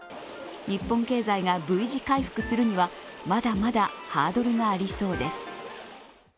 日本経済がＶ字回復するにはまだまだハードルがありそうです。